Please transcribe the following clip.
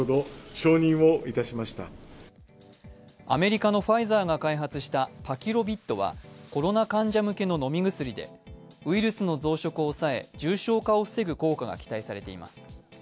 アメリカのファイザーが開発したパキロビッドはコロナ患者向けの飲み薬でウイルスの増殖を抑え、重症化を防ぐ効果が期待されています。